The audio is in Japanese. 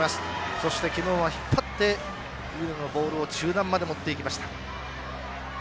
そして昨日は引っ張って上野のボールを中段まで持っていきました。